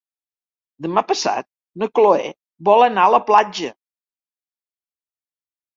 Demà passat na Cloè vol anar a la platja.